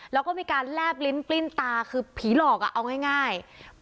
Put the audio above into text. แล้วก็มีการแลบลิ้นกลิ้นตาคือผีหลอกเอาง่าย